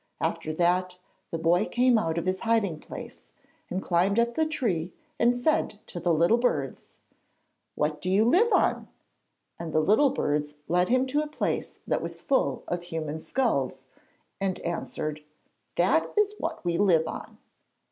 After that, the boy came out of his hiding place and climbed up the tree and said to the little birds: 'What do you live on?' and the little birds led him to a place that was full of human skulls, and answered, 'That is what we live on.'